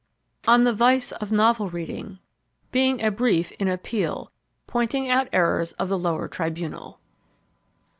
On the Vice of Novel Reading. BEING A BRIEF IN APPEAL, POINTING OUT _ERRORS OF THE LOWER TRIBUNAL.